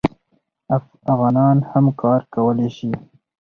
افغانان هم کار کولی شي.